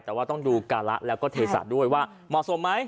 แต่ว่าต้องดูการะแล้วก็เทศะด้วยว่าเหมาะสมไหม